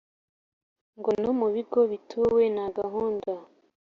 Ngo no mu bigo bituwe na gahunda